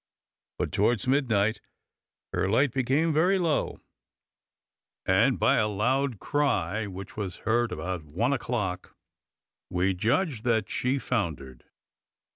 But towards midnight her light became very low; and by a loud cry, which was heard about one o'clock, we judged that she foundered.